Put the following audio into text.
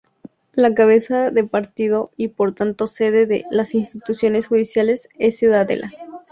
La cabeza de partido y por tanto sede de las instituciones judiciales es Ciudadela.